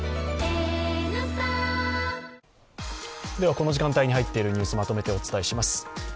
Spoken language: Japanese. この時間帯に入ってるニュース、まとめてお伝えします。